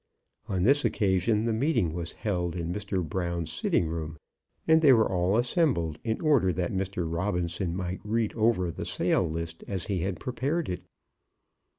On this occasion the meeting was held in Mr. Brown's sitting room, and they were all assembled in order that Robinson might read over the sale list as he had prepared it.